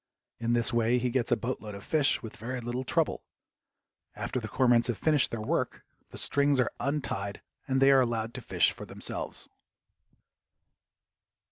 In this way he gets a boatload of fish with very little trouble. After the cormorants have finished their work, the strings are untied and they are allowed to fish for themselves.